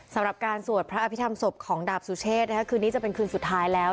สำหรับการสวดพระอภิษฐรรมศพของดาบสุเชษคืนนี้จะเป็นคืนสุดท้ายแล้ว